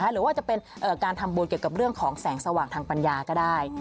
หรือว่าจะเป็นการทำบุญเกี่ยวกับเรื่องของแสงสว่างทางปัญญาก็ได้